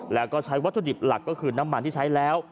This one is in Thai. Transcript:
แล้วก็ใช้วัตถุดิบหลักก็คือน้ำมันที่ใช้แล้ว